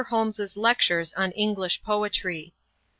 HOLMES'S LECTURES ON ENGLISH POETRY.